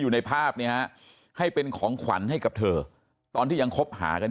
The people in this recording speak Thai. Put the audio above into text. อยู่ในภาพเนี่ยฮะให้เป็นของขวัญให้กับเธอตอนที่ยังคบหากัน